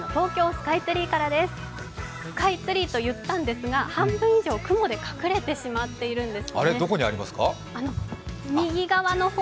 スカイツリーと言ったんですが、半分以上雲で隠れてしまっているんですね。